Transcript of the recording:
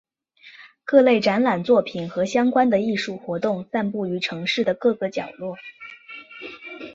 各类展览作品和相关的艺术活动散布于城市的各个角落。